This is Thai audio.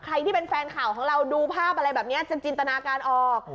ใครที่เป็นแฟนข่าวของเราดูภาพอะไรแบบนี้จะจินตนาการออก